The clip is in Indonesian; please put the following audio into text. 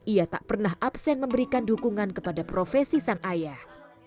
ia tak pernah absen memberikan dukungan kepada profesi sang ayah